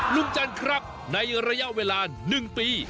ลุงจันทร์ครับในระยะเวลา๑ปี